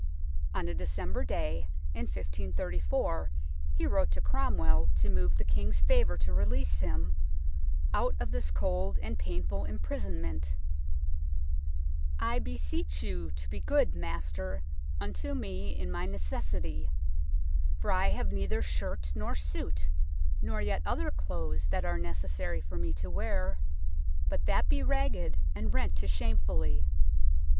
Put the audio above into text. On a December day in 1534 he wrote to Cromwell to move the King's favour to release him " out of this cold and painful imprisonment ": 68 THE TOWER OF LONDON I byseche you to be gode, master, unto me in my necessite ;. for I have neither shirt nor sute, nor yett other clothes, that ar necessary for me to wear, but that bee ragged and rent to shamefully.